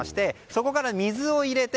そこから水を入れて。